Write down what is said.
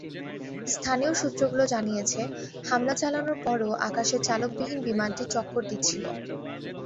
স্থানীয় সূত্রগুলো জানিয়েছে, হামলা চালানোর পরও আকাশে চালকবিহীন বিমানটি চক্কর দিচ্ছিল।